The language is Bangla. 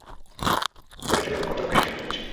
ছোটির জন্য আমি কতো লোকের সাথে কথা বলেছি।